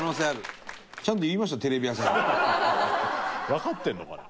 わかってるのかな？